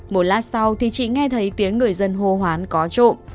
một lát sau thì chị nghe thấy tiếng người dân hô hoán có trộm